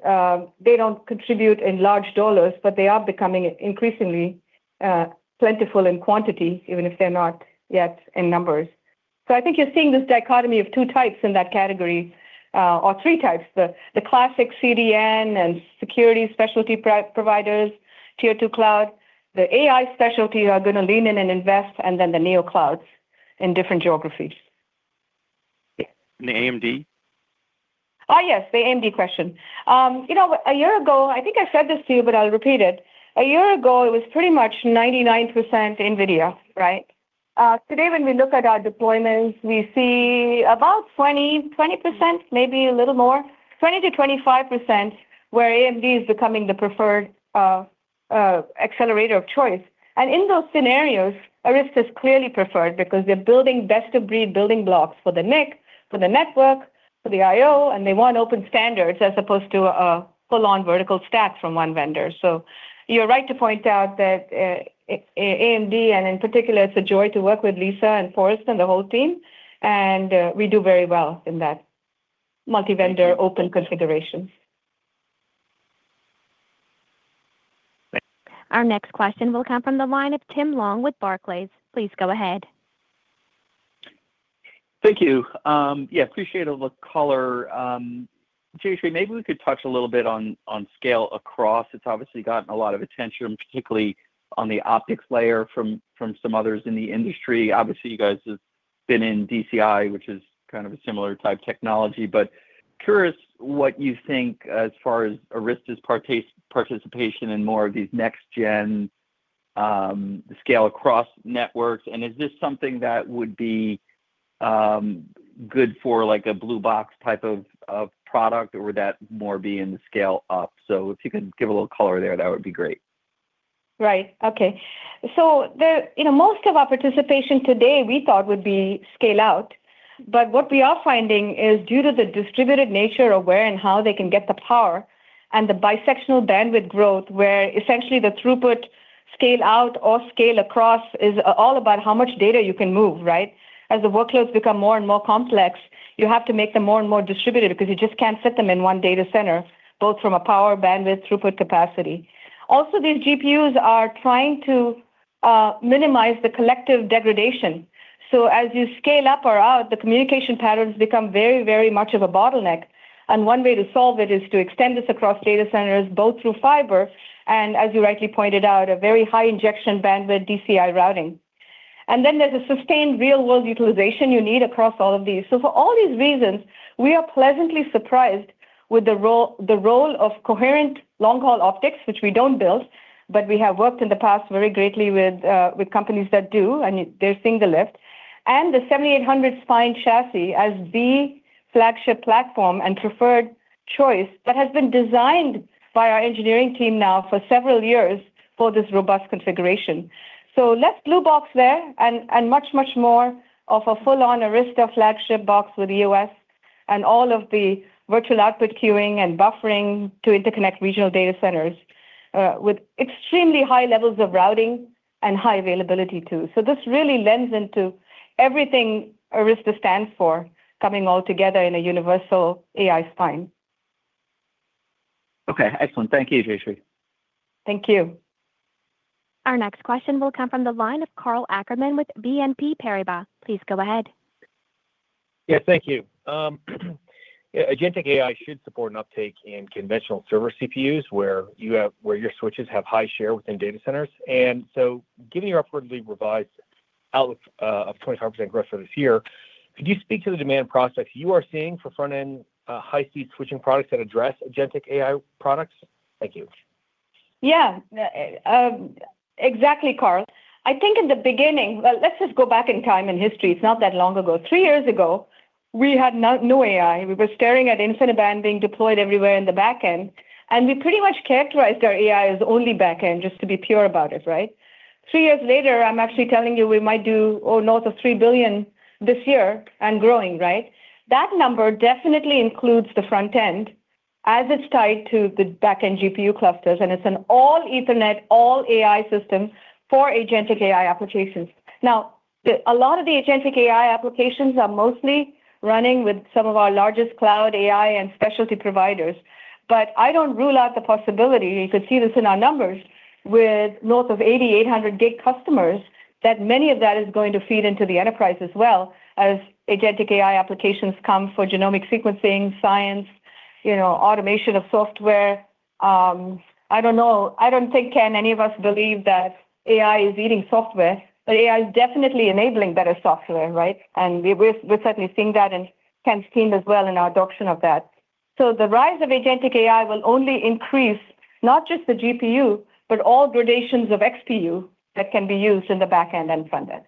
they don't contribute in large dollars, but they are becoming increasingly plentiful in quantity, even if they're not yet in numbers. So I think you're seeing this dichotomy of two types in that category, or three types: the classic CDN and security specialty providers, tier two cloud, the AI specialty are going to lean in and invest, and then the neo clouds in different geographies. The AMD? Oh, yes, the AMD question. You know, a year ago, I think I said this to you, but I'll repeat it. A year ago, it was pretty much 99% NVIDIA, right? Today, when we look at our deployments, we see about 20, 20%, maybe a little more, 20%-25%, where AMD is becoming the preferred accelerator of choice. And in those scenarios, Arista is clearly preferred because they're building best-of-breed building blocks for the NIC, for the network, for the IO, and they want open standards as opposed to a full-on vertical stack from one vendor. So you're right to point out that, AMD, and in particular, it's a joy to work with Lisa and Forrest and the whole team, and we do very well in that multi-vendor open configuration. Thank you. Our next question will come from the line of Tim Long with Barclays. Please go ahead. Thank you. Yeah, appreciate all the color. Jayshree, maybe we could touch a little bit on scale across. It's obviously gotten a lot of attention, particularly on the optics layer from some others in the industry. Obviously, you guys have been in DCI, which is kind of a similar type technology, but curious what you think as far as Arista's participation in more of these next gen scale across networks. And is this something that would be good for, like, a Blue Box type of product, or would that more be in the scale up? So if you could give a little color there, that would be great. Right. Okay. So... You know, most of our participation today, we thought would be scale out, but what we are finding is due to the distributed nature of where and how they can get the power and the bisectional bandwidth growth, where essentially the throughput scale out or scale across is all about how much data you can move, right? As the workloads become more and more complex, you have to make them more and more distributed because you just can't fit them in one data center, both from a power, bandwidth, throughput capacity. Also, these GPUs are trying to minimize the collective degradation. So as you scale up or out, the communication patterns become very, very much of a bottleneck, and one way to solve it is to extend this across data centers, both through fiber and as you rightly pointed out, a very high injection bandwidth DCI routing. And then there's a sustained real-world utilization you need across all of these. So for all these reasons, we are pleasantly surprised with the role, the role of coherent long-haul optics, which we don't build, but we have worked in the past very greatly with, with companies that do, and they're seeing the lift, and the 7800 spine chassis as the flagship platform and preferred choice that has been designed by our engineering team now for several years for this robust configuration. So less Blue Box there and, and much, much more of a full-on Arista flagship box with the EOS and all of the virtual output queuing and buffering to interconnect regional data centers, with extremely high levels of routing and high availability, too. So this really lends into everything Arista stands for coming all together in a universal AI spine. Okay, excellent. Thank you, Jayshree. Thank you. Our next question will come from the line of Karl Ackerman with BNP Paribas. Please go ahead. Yes, thank you. Agentic AI should support an uptake in conventional server CPUs, where your switches have high share within data centers. And so given your upwardly revised outlook of 25% growth for this year, could you speak to the demand prospects you are seeing for front-end high-speed switching products that address agentic AI products? Thank you. Yeah. Exactly, Karl. I think in the beginning... Well, let's just go back in time in history. It's not that long ago. Three years ago, we had no, no AI. We were staring at InfiniBand being deployed everywhere in the back end, and we pretty much characterized our AI as only back end, just to be pure about it, right? Three years later, I'm actually telling you we might do, oh, north of $3 billion this year and growing, right? That number definitely includes the front end as it's tied to the back-end GPU clusters, and it's an all-Ethernet, all-AI system for agentic AI applications. Now, a lot of the agentic AI applications are mostly running with some of our largest cloud AI and specialty providers. But I don't rule out the possibility, you could see this in our numbers, with north of 8,800 great customers, that many of that is going to feed into the enterprise as well as agentic AI applications come for genomic sequencing, science, you know, automation of software. I don't know. I don't think, Ken, any of us believe that AI is eating software, but AI is definitely enabling better software, right? And we're, we're certainly seeing that in Ken's team as well in our adoption of that. So the rise of agentic AI will only increase not just the GPU, but all gradations of XPU that can be used in the back end and front end.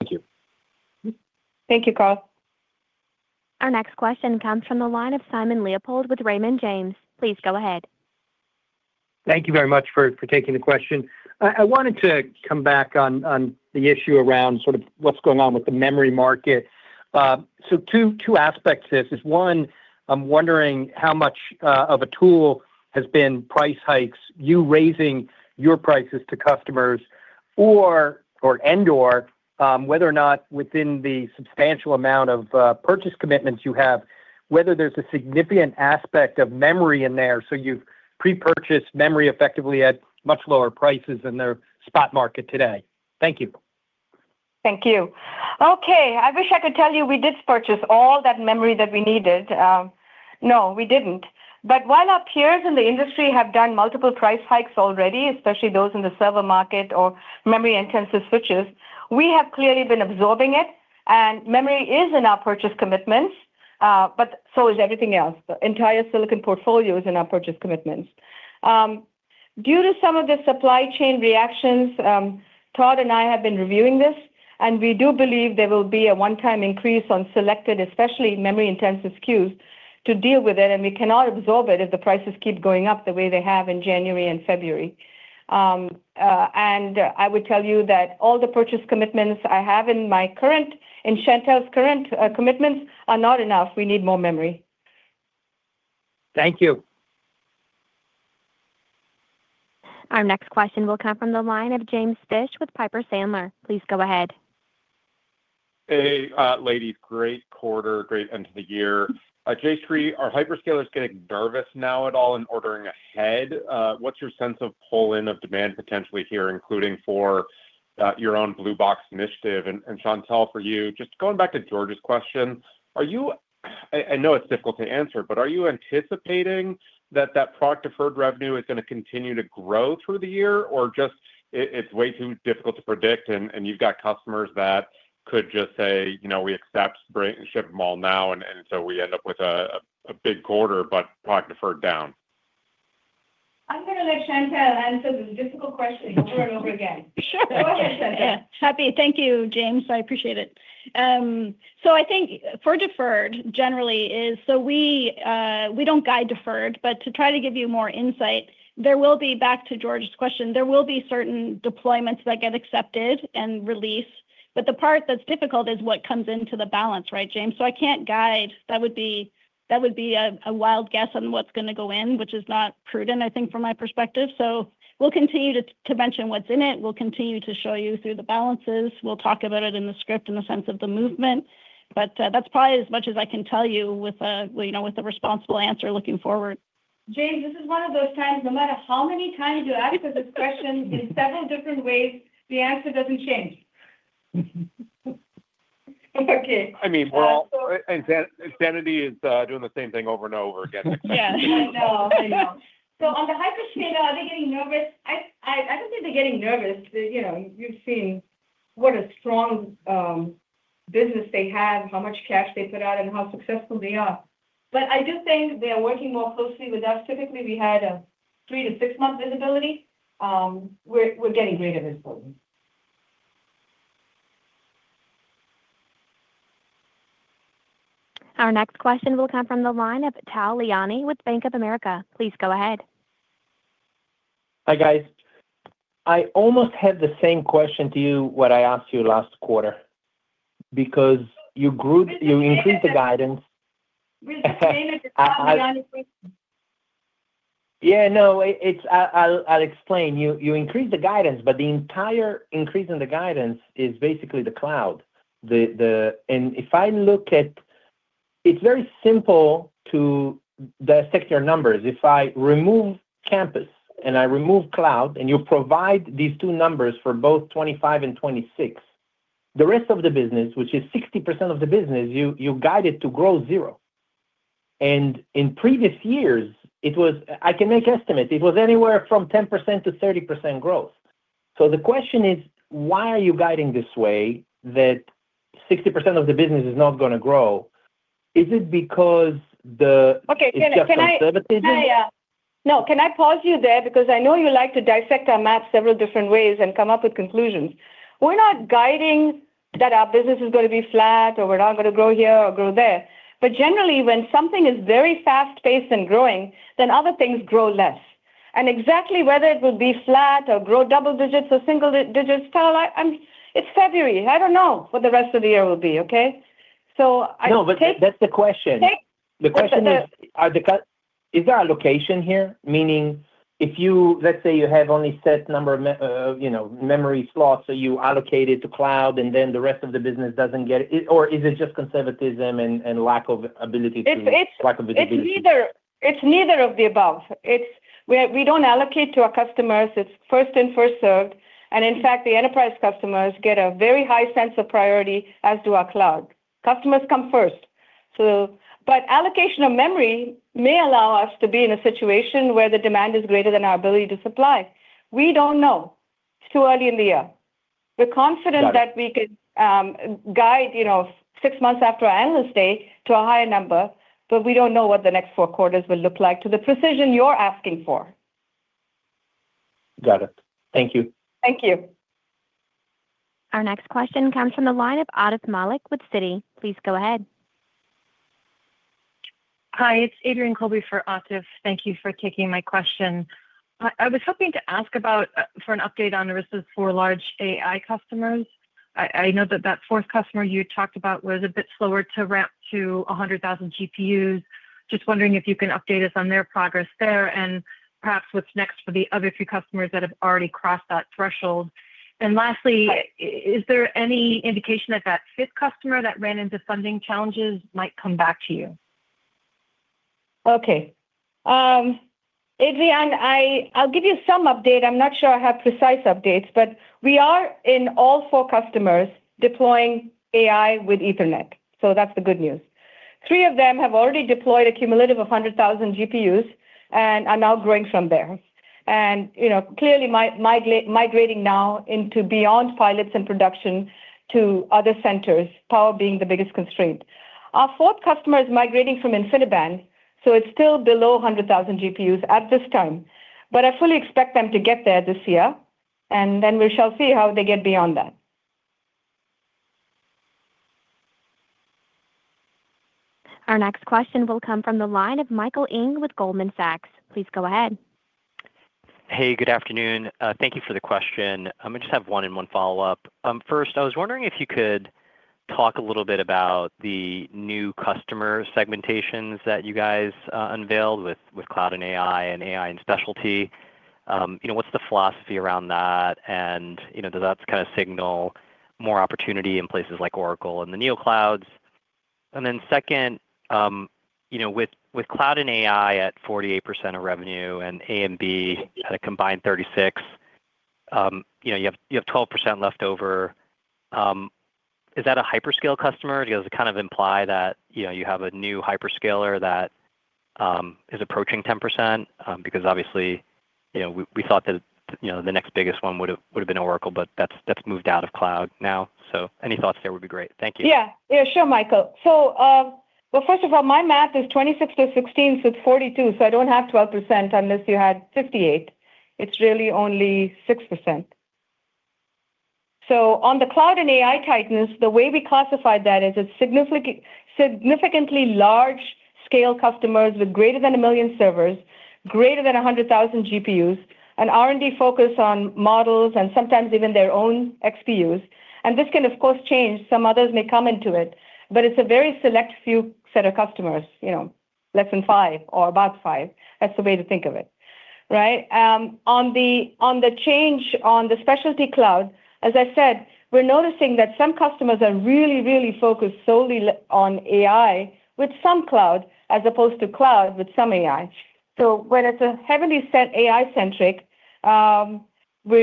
Thank you. Thank you, Karl. Our next question comes from the line of Simon Leopold with Raymond James. Please go ahead. Thank you very much for taking the question. I wanted to come back on the issue around sort of what's going on with the memory market. So two aspects to this. It's one, I'm wondering how much of a role has been price hikes, you raising your prices to customers... or and/or, whether or not within the substantial amount of purchase commitments you have, whether there's a significant aspect of memory in there, so you've pre-purchased memory effectively at much lower prices than the spot market today? Thank you. Thank you. Okay, I wish I could tell you we did purchase all that memory that we needed. No, we didn't. But while our peers in the industry have done multiple price hikes already, especially those in the server market or memory intensive switches, we have clearly been absorbing it, and memory is in our purchase commitments, but so is everything else. The entire silicon portfolio is in our purchase commitments. Due to some of the supply chain reactions, Todd and I have been reviewing this, and we do believe there will be a one-time increase on selected, especially memory-intensive SKUs, to deal with it, and we cannot absorb it if the prices keep going up the way they have in January and February. I would tell you that all the purchase commitments I have in my current, in Chantelle's current, commitments are not enough. We need more memory. Thank you. Our next question will come from the line of James Fish with Piper Sandler. Please go ahead. Hey, ladies, great quarter, great end of the year. Jayshree, are hyperscalers getting nervous now at all in ordering ahead? What's your sense of pull-in of demand potentially here, including for your own Blue Box initiative? And Chantelle, for you, just going back to George's question, are you? I know it's difficult to answer, but are you anticipating that that product deferred revenue is gonna continue to grow through the year, or just it's way too difficult to predict and you've got customers that could just say, "You know, we accept, great, and ship them all now," and so we end up with a big quarter, but product deferred down? I'm gonna let Chantelle answer this difficult question over and over again. Sure. Go ahead, Chantelle. Yeah. Happy... Thank you, James. I appreciate it. So I think for deferred, generally, is so we, we don't guide deferred, but to try to give you more insight, there will be, back to George's question, there will be certain deployments that get accepted and released, but the part that's difficult is what comes into the balance, right, James? So I can't guide. That would be, that would be a, a wild guess on what's gonna go in, which is not prudent, I think, from my perspective. So we'll continue to, to mention what's in it. We'll continue to show you through the balances. We'll talk about it in the script in the sense of the movement, but, that's probably as much as I can tell you with, well, you know, with a responsible answer looking forward. James, this is one of those times, no matter how many times you ask us this question in several different ways, the answer doesn't change. Okay. I mean, we're all- So-... Insanity is doing the same thing over and over again. Yeah. I know. I know. So on the hyperscaler, are they getting nervous? I don't think they're getting nervous. They, you know, you've seen what a strong business they have, how much cash they put out, and how successful they are. But I do think they are working more closely with us. Typically, we had a 3-6-month visibility. We're getting greater visibility. Our next question will come from the line of Tal Liani with Bank of America. Please go ahead. Hi, guys. I almost had the same question to you what I asked you last quarter because you grouped- We understand that. You increased the guidance. We understand that, Tal Liani question. Yeah, no, it's... I'll explain. You increased the guidance, but the entire increase in the guidance is basically the cloud. And if I look at it, it's very simple to dissect your numbers. If I remove campus and I remove cloud, and you provide these two numbers for both 25 and 26, the rest of the business, which is 60% of the business, you guide it to grow zero. And in previous years, it was—I can make estimates. It was anywhere from 10% to 30% growth. So the question is, why are you guiding this way, that 60% of the business is not gonna grow? Is it because the- Okay, can I- It's just conservatism? Hiya. No, can I pause you there? Because I know you like to dissect our math several different ways and come up with conclusions. We're not guiding that our business is gonna be flat, or we're not gonna grow here or grow there. But generally, when something is very fast-paced and growing, then other things grow less. And exactly whether it will be flat or grow double digits or single digits, Tal, I'm, it's February. I don't know what the rest of the year will be, okay? So I take- No, but that's the question. Take- The question is- Uh, uh... is there allocation here? Meaning, if you, let's say you have only set number of memory slots, so you allocate it to cloud, and then the rest of the business doesn't get it, or is it just conservatism and lack of ability to- It's, it's- Lack of ability. It's neither, it's neither of the above. It's... We, we don't allocate to our customers. It's first in, first served, and in fact, the enterprise customers get a very high sense of priority, as do our cloud customers. Customers come first. So, but allocation of memory may allow us to be in a situation where the demand is greater than our ability to supply. We don't know. It's too early in the year. Got it. We're confident that we could guide, you know, six months after our Analyst Day to a higher number, but we don't know what the next four quarters will look like to the precision you're asking for. Got it. Thank you. Thank you. Our next question comes from the line of Atif Malik with Citi. Please go ahead. Hi, it's Adrienne Colby for Atif. Thank you for taking my question. I was hoping to ask about for an update on the risks for large AI customers. I know that the fourth customer you talked about was a bit slower to ramp to 100,000 GPUs. Just wondering if you can update us on their progress there, and perhaps what's next for the other three customers that have already crossed that threshold? And lastly, is there any indication that the fifth customer that ran into funding challenges might come back to you? Okay. Adrienne, I'll give you some update. I'm not sure I have precise updates, but we are in all four customers deploying AI with Ethernet, so that's the good news. Three of them have already deployed a cumulative of 100,000 GPUs and are now growing from there. You know, clearly migrating now into beyond pilots and production to other centers, power being the biggest constraint. Our fourth customer is migrating from InfiniBand, so it's still below 100,000 GPUs at this time. But I fully expect them to get there this year, and then we shall see how they get beyond that. Our next question will come from the line of Michael Ng with Goldman Sachs. Please go ahead. Hey, good afternoon. Thank you for the question. I just have one and one follow-up. First, I was wondering if you could talk a little bit about the new customer segmentations that you guys unveiled with cloud and AI and AI and specialty. You know, what's the philosophy around that? And, you know, does that kind of signal more opportunity in places like Oracle and the Neoclouds? And then second, you know, with cloud and AI at 48% of revenue and A and B at a combined 36, you know, you have 12% leftover. Is that a hyperscale customer? Does it kind of imply that, you know, you have a new hyperscaler that is approaching 10%? Because obviously, you know, we thought that, you know, the next biggest one would've been Oracle, but that's moved out of cloud now. So any thoughts there would be great. Thank you. Yeah. Yeah, sure, Michael. So, well, first of all, my math is 26 + 16, so it's 42, so I don't have 12%, unless you had 58. It's really only 6%. So on the cloud and AI tightness, the way we classified that is it's significantly large-scale customers with greater than 1 million servers, greater than 100,000 GPUs, and R&D focus on models and sometimes even their own XPUs. And this can, of course, change. Some others may come into it, but it's a very select few set of customers, you know, less than 5 or about 5. That's the way to think of it, right? On the change on the specialty cloud, as I said, we're noticing that some customers are really, really focused solely on AI with some cloud, as opposed to cloud with some AI. So when it's a heavily set AI-centric, we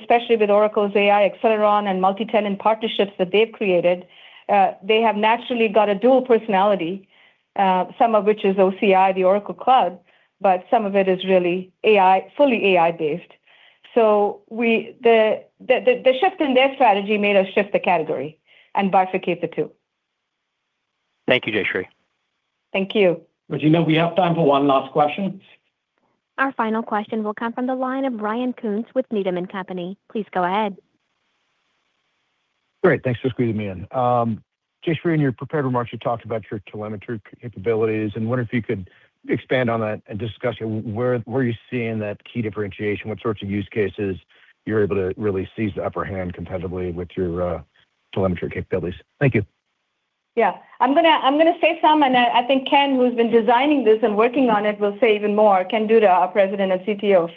especially with Oracle's AI Acceleron and multi-tenant partnerships that they've created, they have naturally got a dual personality, some of which is OCI, the Oracle Cloud, but some of it is really AI, fully AI-based. So the shift in their strategy made us shift the category and bifurcate the two. Thank you, Jayshree. Thank you. You know, we have time for one last question. Our final question will come from the line of Ryan Koontz with Needham and Company. Please go ahead. Great. Thanks for squeezing me in. Jayshree, in your prepared remarks, you talked about your telemetry capabilities, and I wonder if you could expand on that and discuss where are you seeing that key differentiation, what sorts of use cases you're able to really seize the upper hand competitively with your telemetry capabilities? Thank you. Yeah. I'm gonna, I'm gonna say some, and I, I think Ken, who's been designing this and working on it, will say even more. Ken Duda, our President and CTO.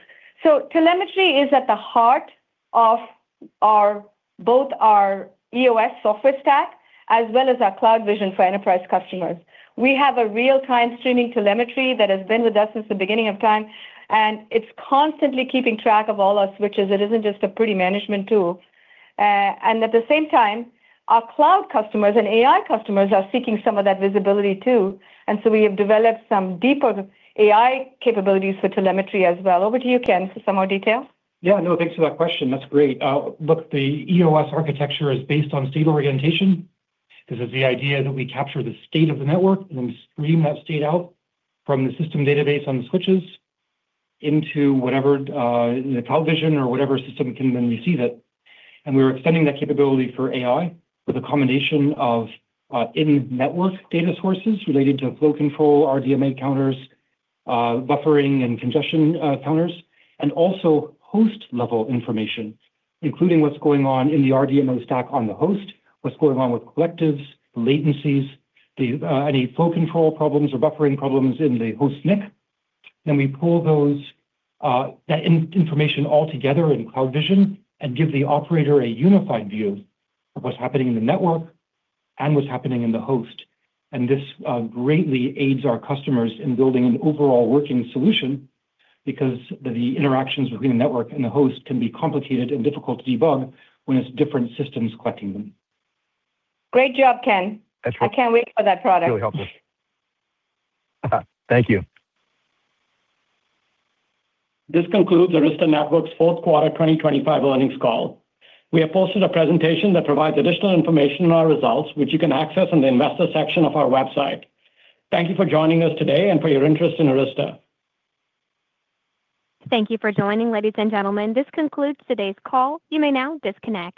So telemetry is at the heart of our, both our EOS software stack as well as our CloudVision for enterprise customers. We have a real-time streaming telemetry that has been with us since the beginning of time, and it's constantly keeping track of all our switches. It isn't just a pretty management tool. And at the same time, our cloud customers and AI customers are seeking some of that visibility, too, and so we have developed some deeper AI capabilities for telemetry as well. Over to you, Ken, for some more detail. Yeah, no, thanks for that question. That's great. Look, the EOS architecture is based on state orientation. This is the idea that we capture the state of the network and then stream that state out from the system database on the switches into whatever, the CloudVision or whatever system can then receive it. And we're extending that capability for AI with a combination of, in-network data sources related to flow control, RDMA counters, buffering and congestion, counters, and also host-level information, including what's going on in the RDMA stack on the host, what's going on with collectives, latencies, the, any flow control problems or buffering problems in the host NIC. Then we pull those, that information all together in CloudVision and give the operator a unified view of what's happening in the network and what's happening in the host. This greatly aids our customers in building an overall working solution because the interactions between the network and the host can be complicated and difficult to debug when it's different systems collecting them. Great job, Ken. That's right. I can't wait for that product. Really helpful. Thank you. This concludes Arista Networks' Fourth Quarter 2025 Earnings Call. We have posted a presentation that provides additional information on our results, which you can access on the investor section of our website. Thank you for joining us today and for your interest in Arista. Thank you for joining, ladies and gentlemen. This concludes today's call. You may now disconnect.